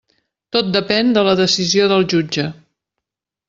Tot depèn de la decisió del jutge.